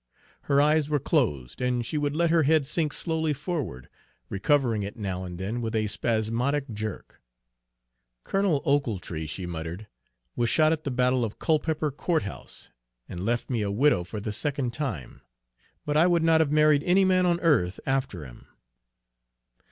Her eyes were closed, and she would let her head sink slowly forward, recovering it now and then with a spasmodic jerk. "Colonel Ochiltree," she muttered, "was shot at the battle of Culpepper Court House, and left me a widow for the second time. But I would not have married any man on earth after him."